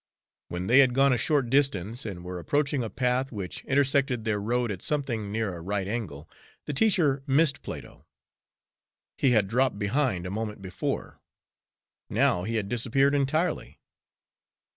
When they had gone a short distance and were approaching a path which intersected their road at something near a right angle, the teacher missed Plato. He had dropped behind a moment before; now he had disappeared entirely.